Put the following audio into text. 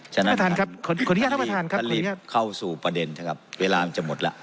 ฉะนั้นท่านลีบเข้าสู่ประเด็นนะครับเวลามันจะหมดละ